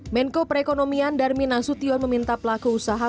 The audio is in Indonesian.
menko perekonomian darmin nasution meminta pelaku usaha